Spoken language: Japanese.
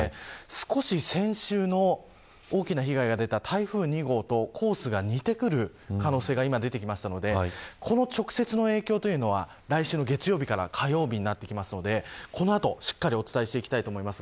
少し先週の大きな被害が出た台風２号とコースが似てくる可能性が今、出てきましたのでこの直接の影響というのは来週の月曜日から火曜日になってきますのでこの後、しっかりとお伝えしていきたいと思います。